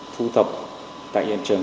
thu thập tại hiện trường